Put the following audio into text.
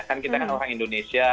kan kita orang indonesia